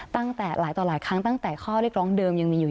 ตั้งแต่หลายต่อหลายครั้งตั้งแต่ข้อเรียกร้องเดิมยังมีอยู่